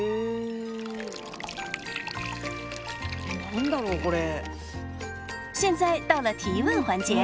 何だろうこれ。